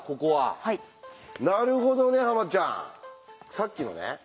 さっきのね